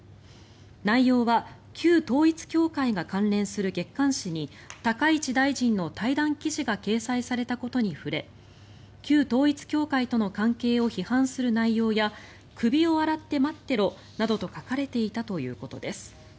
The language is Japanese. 内容は旧統一教会が関連する月刊誌に高市大臣の対談記事が掲載されたことに触れ旧統一教会との関係を批判する内容や首を洗って待ってろなどと書かれていたということです。